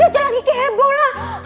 ya jelas kiki hebat lah